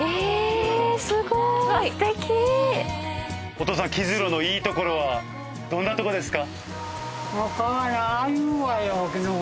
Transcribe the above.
お父さん木津呂のいいところはどんなとこですか？